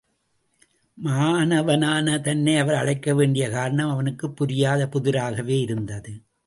மாணவனான தன்னை அவர் அழைக்க வேண்டிய காரணம் அவனுக்குப் புரியாத புதிராகவே இருந்தது.